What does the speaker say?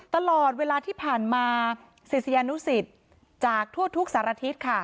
ตลอดเวลาที่ผ่านมาศิษยานุสิตจากทั่วทุกสารทิศค่ะ